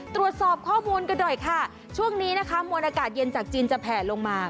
ตรวจสอบข้อมูลกันหน่อยค่ะช่วงนี้นะคะมวลอากาศเย็นจากจีนจะแผลลงมา